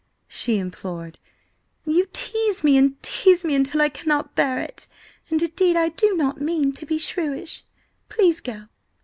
she implored. "You tease me and tease me until I cannot bear it, and indeed I do not mean to be shrewish! Please go!"